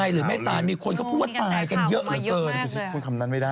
หรือไม่ตายมีคนก็พูดว่าตายกันเยอะเหลือเกินคุณคิดพูดคำนั้นไม่ได้